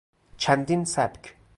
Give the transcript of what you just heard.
چندین سبک